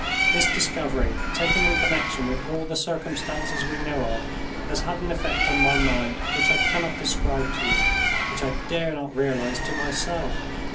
This discovery, taken in connection with all the circumstances we know of, has had an effect on my mind which I cannot describe to you—which I dare not realize to myself.